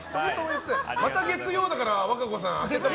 また月曜だから和歌子さん。